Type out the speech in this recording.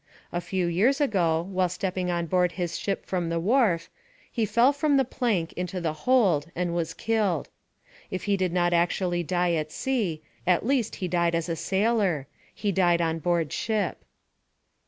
A few years ago, while stepping on board his ship from the wharf, he fell from the plank into the hold and was killed. If he did not actually die at sea, at least he died as a sailor, he died on board ship.